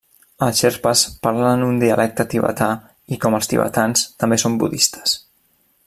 Els xerpes parlen un dialecte tibetà, i com els tibetans també són budistes.